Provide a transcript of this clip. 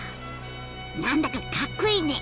何だかかっこいいね！